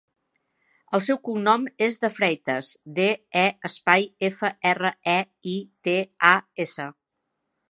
El seu cognom és De Freitas: de, e, espai, efa, erra, e, i, te, a, essa.